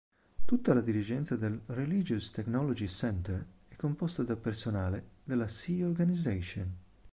Tutta la dirigenza del Religious Technology Center è composta da personale della Sea Organization.